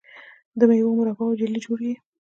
د میوو مربا او جیلی جوړیږي.